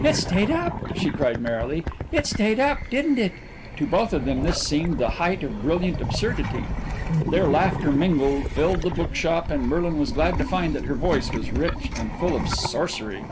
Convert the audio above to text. "It stayed up!" she cried merrily. "It stayed up, didn't it?" To both of them this seemed the height of brilliant absurdity. Their laughter mingled, filled the bookshop, and Merlin was glad to find that her voice was rich and full of sorcery.